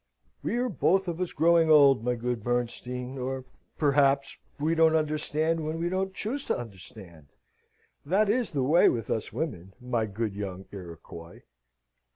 "We are both of us growing old, my good Bernstein, or, perhaps, we won't understand when we don't choose to understand. That is the way with us women, my good young Iroquois."